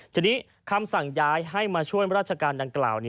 ทีนี้คำสั่งย้ายให้มาช่วยราชการดังกล่าว